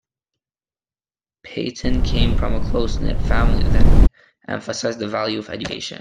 Payton came from a close knit family that emphasized the value of education.